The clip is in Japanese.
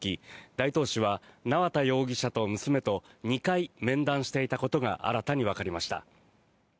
大東市は縄田容疑者と娘と２回面談していたことが新たにわかりました。